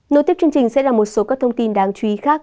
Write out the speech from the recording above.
nối tiếp chương trình sẽ là một số các thông tin đáng chú ý khác